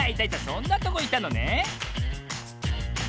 そんなとこいたのね。